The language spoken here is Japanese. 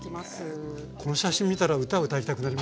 この写真見たら歌を歌いたくなりました。